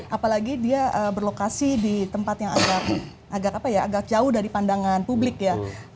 apalagi dia berlokasi di tempat yang agak jauh dari pandangan publik ya